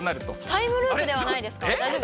タイムリープじゃないですか。